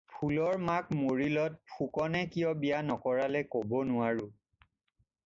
ফুলৰ মাক মৰিলত ফুকনে কিয় বিয়া নকৰালে ক'ব নোৱাৰোঁ।